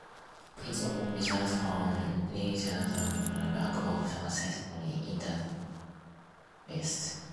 This can result from leisure and a lack of aesthetic interests.